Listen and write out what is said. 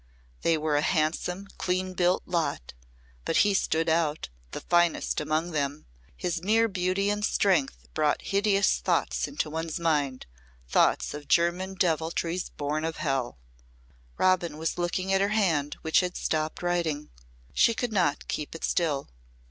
They were a handsome, clean built lot. But he stood out the finest among them. His mere beauty and strength brought hideous thoughts into one's mind thoughts of German deviltries born of hell." Robin was looking at her hand which had stopped writing. She could not keep it still.